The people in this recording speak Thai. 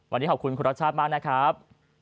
วันนี้ขอบคุณคุณรัชชาติมากนะครับ